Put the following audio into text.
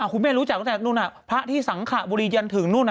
คุณแม่รู้จักตั้งแต่พระที่สังขะบุรียันถึง